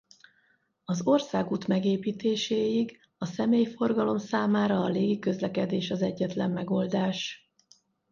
Az országút megépítéséig a személyforgalom számára a légiközlekedés az egyetlen megoldás.